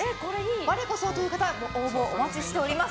我こそはという方応募お待ちしております。